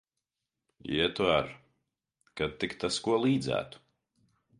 Ietu ar, kad tik tas ko līdzētu.